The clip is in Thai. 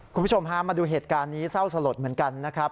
คุณผู้ชมฮะมาดูเหตุการณ์นี้เศร้าสลดเหมือนกันนะครับ